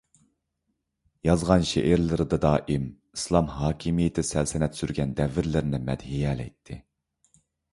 يازغان شېئىرلىرىدا دائىم ئىسلام ھاكىمىيىتى سەلتەنەت سۈرگەن دەۋرلىرىنى مەدھىيەلەيتتى.